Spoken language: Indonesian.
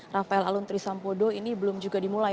rafael alun trisambodo ini belum juga dimulai